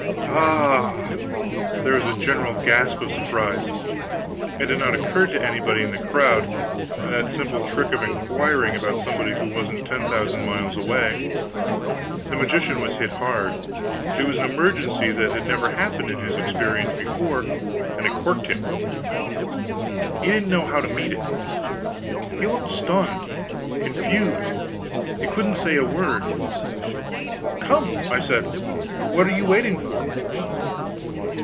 "Ah h!" There was a general gasp of surprise. It had not occurred to anybody in the crowd that simple trick of inquiring about somebody who wasn't ten thousand miles away. The magician was hit hard; it was an emergency that had never happened in his experience before, and it corked him; he didn't know how to meet it. He looked stunned, confused; he couldn't say a word. "Come," I said, "what are you waiting for?